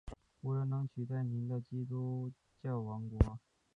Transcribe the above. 无人能取代您的基督教王国！